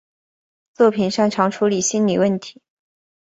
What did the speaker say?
作品擅长处理心理问题。